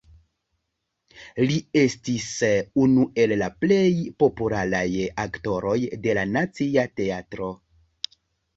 Li estis unu el la plej popularaj aktoroj de la Nacia Teatro.